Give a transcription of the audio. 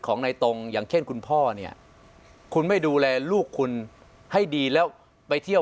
ในตรงอย่างเช่นคุณพ่อเนี่ยคุณไม่ดูแลลูกคุณให้ดีแล้วไปเที่ยว